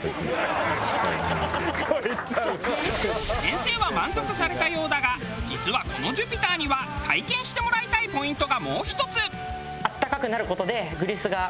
先生は満足されたようだが実はこのＪＵＰＩＴＥＲには体験してもらいたいポイントがもう１つ。